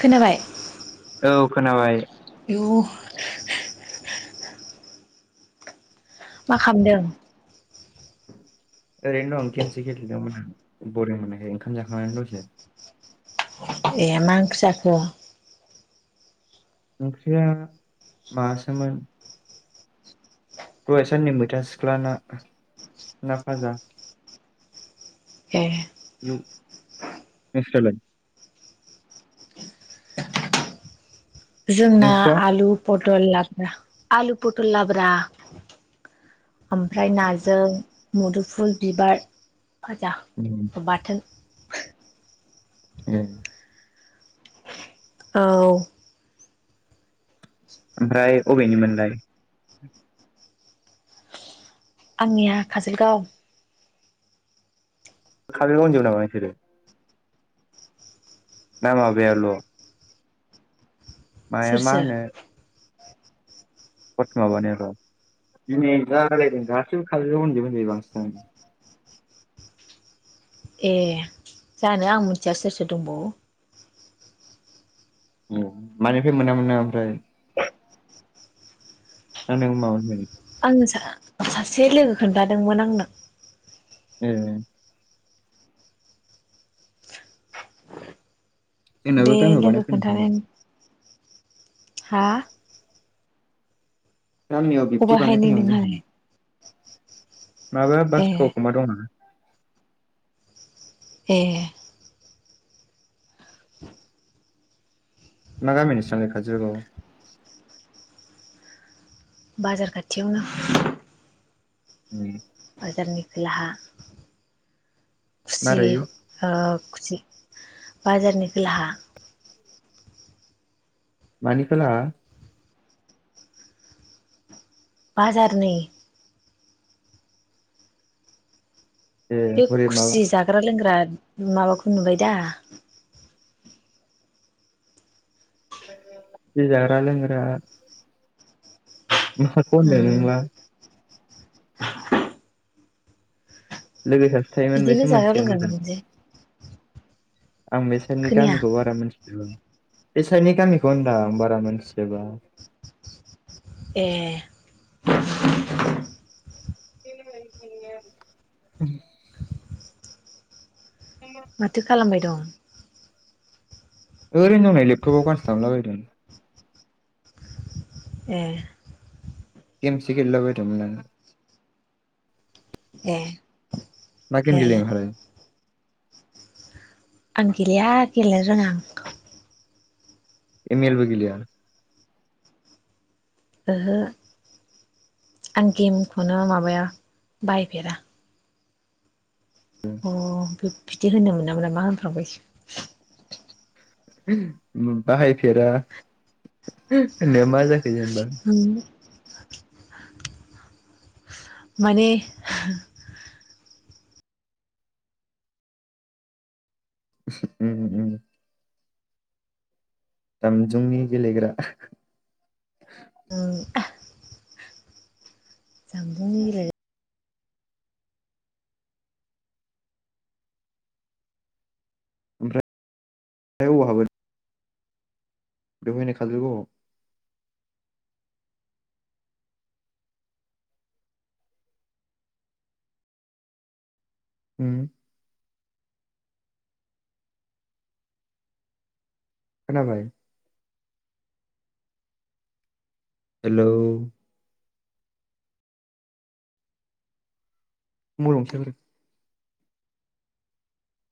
खोनाबाय औ खोनाबाय इयु मा खालामदों? ओरैनो दं गेमसो गेलेदोंमोन आं बरिं मोननायखाय ओंखाम जाखांनानै दसे ए मा ओंख्रि जाखो? ओंख्रिया मासोमोन दहाय साननि मैथा सिख्ला ना ना भाजा। ए उम नोंसोरा ला? जोंना नोंस्रा आलु पटल लाब्रा आलु पटल लाब्रा ओमफ्राय नाजों मुदुफुल बिबार फाजा उम बाथोन उम औ ओमफ्राय अबेनिमोनलाय? आंनिया काजलगाव खाजोल फुनजोबो नामा नोंसोरो ना माबाया ल' माया सोर मा सोर होनो पत माबानिया र' दिनै जालायदों गासिबो खाजल फुनजोबो होजायो बांसिन [unintelligible] ए जानो आं मिथिया सोर सोर दंबावो। औ मानिफ्राय मोनामोन नों ओमफ्राय ना नों माबानिबायदि आङो सा सासे लोगो खोन्थादोंमोन आंनो ए जोंनाबो बे गामियाव लोगो बानायफैदों खोनथानायानो हा गामियाव बिबदि अबाहाय बानाय नै फैयामोन नोंहालाय जों माबा ए बासखावखोमा दं नामा? ए [inaudible] मा गामिनि नोंसिनालाय खाजलगाव बाजार खाथियावनो उम बाजारनि खोलाहा खुसि मारै ओ खुसि बाजारनि खलाहा मानि खोला बाजारनि ए बे हरै माबा खुसि जाग्रा लोंग्रा माबाखौ नुबाय दा खुसि जाग्रा लोंग्रा माखौ होनदों उम नोंबा [unintelligible] लोगो सासे थायोमोन बिदिनो बेसो जाग्रा मोनथियो लोंग्रा मोजां मोनसै आं बे साइडनि खोनाया गामिखौ बारा मोनथि बे साइडनि गामिखौ होनदा आं बारा मोनथिजोबा ए [unintelligible] [unintelligible] माथो खालामबाय दं ओरैनो नै लेबथबाव गानसो दामलाबायदों उम गेमसो गेलेलाबायदोंमोन आं उम मा गेम गेलेयो नोंहालाय आं गेलेया गेलेनो रोङा आं एम एलबो गेलेया ओहो आं गेमखौनो माबाया बाहायफेरा। अ बे बिदि होनो मोनो मोना मा होनफ्रांबायसो बाहायफेरा होननाया मा जाखो जेनेबा उम माने उम उम दामजुंनि गेलेग्रा ओ जानबुंनि गेलेग्रा ओमफ्राय अबाव हाबो बेवहायनो खाजोलगावाव हम खोनाबाय हेलौ मबेल गंसेया बोरो